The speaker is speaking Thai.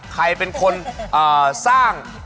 ใครเป็นคนสร้าง